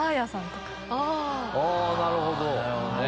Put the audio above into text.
あなるほど。